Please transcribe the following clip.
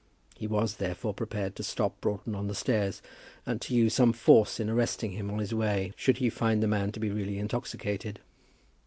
He was, therefore, prepared to stop Broughton on the stairs, and to use some force in arresting him on his way, should he find the man to be really intoxicated.